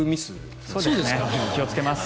気をつけます。